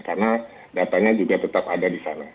karena datanya juga tetap ada di sana